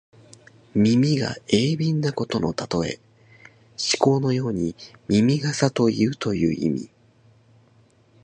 耳が鋭敏なことのたとえ。師曠のように耳がさといという意味。